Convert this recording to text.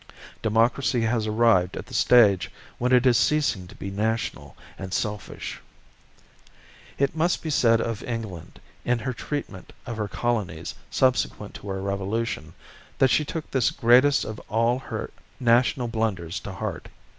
Democracy has arrived at the stage when it is ceasing to be national and selfish. It must be said of England, in her treatment of her colonies subsequent to our Revolution, that she took this greatest of all her national blunders to heart.